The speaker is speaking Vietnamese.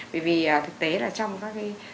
bởi vì thực tế là trong các cái